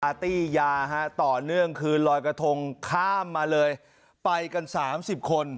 ตี้ยาฮะต่อเนื่องคืนลอยกระทงข้ามมาเลยไปกันสามสิบคน